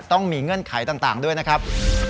ต้องมีเงื่อนไขต่างด้วยนะครับ